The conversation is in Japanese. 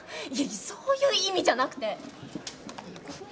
そういう意味じゃなくて。